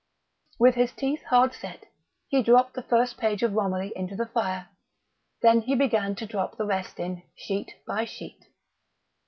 _..." With his teeth hard set, he dropped the first page of Romilly into the fire. Then he began to drop the rest in, sheet by sheet.